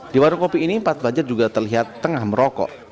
di warung kopi ini empat pelajar juga terlihat tengah merokok